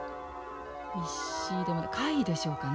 石でもない貝でしょうかね。